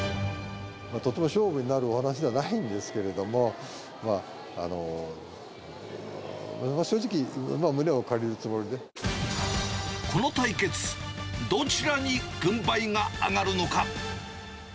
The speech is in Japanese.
とても勝負になるお話ではないんですけど、この対決、どちらに軍配が上がるのか。